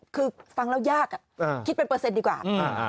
คือฟังแล้วยากคิดเป็นเปอร์เซ็นต์ดีกว่า